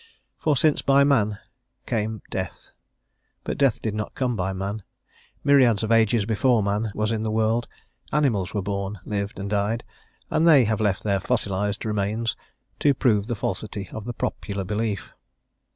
"For since by man came death;" but death did not come by man; myriads of ages before man was in the world animals were born, lived and died, and they have left their fossilised remains to prove the falsity of the popular belief.